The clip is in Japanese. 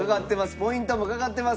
ポイントもかかってます。